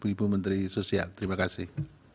ibu menteri sosial terima kasih